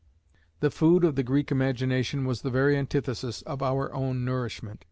The food of the Greek imagination was the very antithesis of our own nourishment.